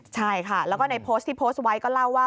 ใช่ค่ะแล้วก็ในโพสต์ที่โพสต์ไว้ก็เล่าว่า